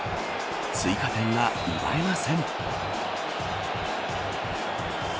追加点が奪えません。